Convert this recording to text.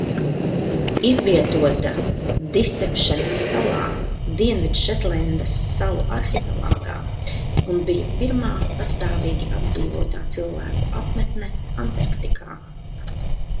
Izvietota Disepšenas salā Dienvidšetlendas salu arhipelāgā un bija pirmā pastāvīgi apdzīvotā cilvēku apmetne Antarktikā.